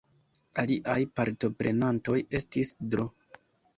Aliaj partoprenantoj estis Dro.